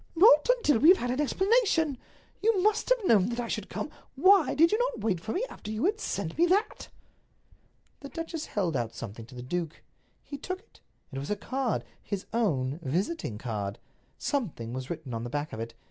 "Not until we have had an explanation. You must have known that I should come. Why did you not wait for me after you had sent me that?" The duchess held out something to the duke. He took it. It was a card—his own visiting card. Something was written on the back of it.